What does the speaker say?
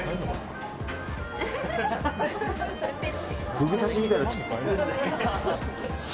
フグ刺しみたいな。